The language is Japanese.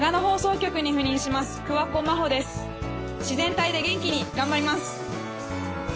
自然体で元気に頑張ります。